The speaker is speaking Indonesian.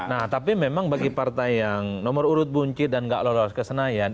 nah tapi memang bagi partai yang nomor urut buncit dan nggak lolos ke senayan